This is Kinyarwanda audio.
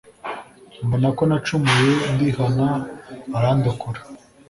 mbonako nacumuye ndihana arandokora